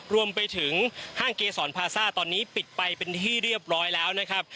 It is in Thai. กระทั่งห้างเกษรพาซ่าตอนนี้ปิดไปเป็นที่เรียบร้อยแล้วนะครับ